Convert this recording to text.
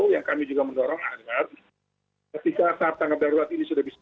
yang kami juga mendorong adalah ketika tahap tanggap darurat ini sudah bisa